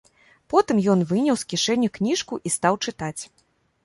Потым ён выняў з кішэні кніжку і стаў чытаць.